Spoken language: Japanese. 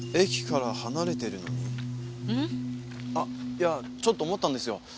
いやちょっと思ったんですよ。